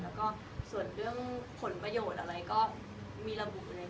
แล้วก็ส่วนเรื่องผลประโยชน์อะไรก็มีระบุเลย